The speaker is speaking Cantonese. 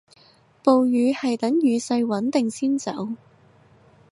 暴雨係等雨勢穩定先走